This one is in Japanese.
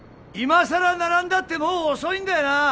いまさら並んだってもう遅いんだよな！